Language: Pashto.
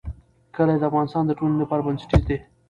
کلي د افغانستان د ټولنې لپاره بنسټیز دي.